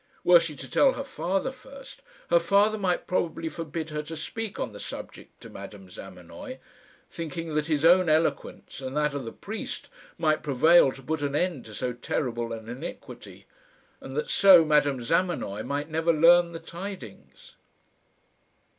Were she to tell her father first, her father might probably forbid her to speak on the subject to Madame Zamenoy, thinking that his own eloquence and that of the priest might prevail to put an end to so terrible an iniquity, and that so Madame Zamenoy might never learn the tidings.